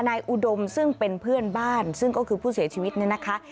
อุดมซึ่งเป็นเพื่อนบ้านซึ่งก็คือผู้เสียชีวิตเนี่ยนะคะ